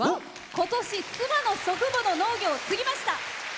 今年、妻の祖父母の農業を継ぎました。